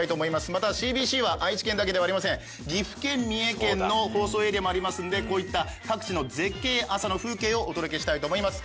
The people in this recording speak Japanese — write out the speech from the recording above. またＣＢＣは愛知県だけではありません岐阜県三重県の放送エリアもありますんでこういった各地の絶景朝の風景をお届けしたいと思います